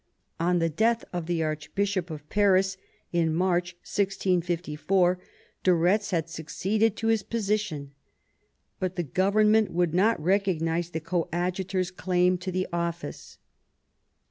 On the death of the Archbishop of Paris in March 1654, do Retz had succeeded to his position, but the government would not recognise the coadjutor's claim to the oflBce.